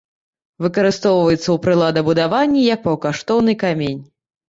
Выкарыстоўваецца ў прыладабудаванні, як паўкаштоўны камень.